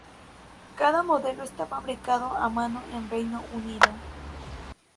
Cada modelo está fabricado a mano en Reino Unido.